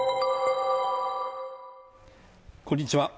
こんにちは